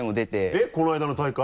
えっこのあいだの大会？